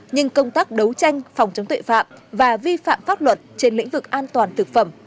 nhưng công tác đấu tranh phòng chống tội phạm và vi phạm pháp luật trên lĩnh vực an toàn thực phẩm